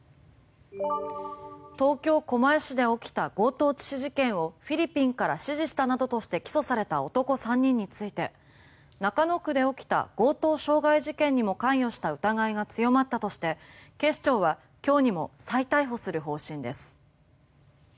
東京・狛江市で起きた強盗致死事件をフィリピンから指示したなどとして起訴された男３人について中野区で起きた強盗傷害事件にも関与した疑いが強まったとして警視庁は今日にも再逮捕する方針です。